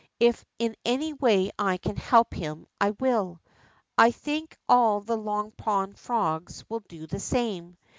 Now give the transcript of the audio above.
If in any way I can help him, I will. 1 think all the Long Pond frogs will do the same.